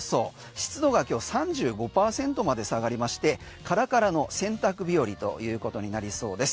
湿度が今日３５％まで下がりましてカラカラの洗濯日和ということになりそうです。